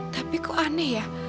tapi kok aneh ya